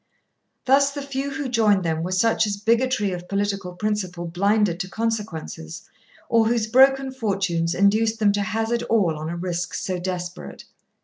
Thus the few who joined them were such as bigotry of political principle blinded to consequences, or whose broken fortunes induced them to hazard all on a risk so desperate.